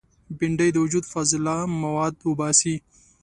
بېنډۍ د وجود فاضله مواد وباسي